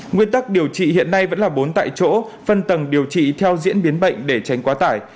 nguyên tắc điều trị hiện nay vẫn là bốn tại chỗ phân tầng điều trị theo diễn biến bệnh để tránh quá tải